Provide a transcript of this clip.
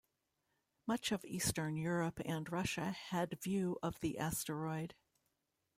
Much of eastern Europe and Russia had view of the asteroid.